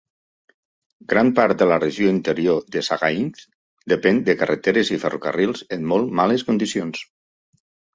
Gran part de la regió interior de Sagaing depèn de carreteres i ferrocarrils en molt males condicions.